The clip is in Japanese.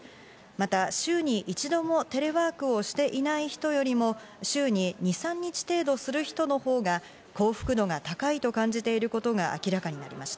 また週に一度もテレワークをしていない人よりも週に２３日程度する人のほうが幸福度が高いと感じていることが明らかになりまし